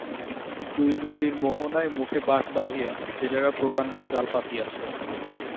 দুই নদীর মোহানার মুখে বাঁশ বাঁধিয়া জেলেরা প্রকাণ্ড জাল পাতিয়াছে।